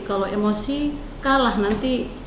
kalau emosi kalah nanti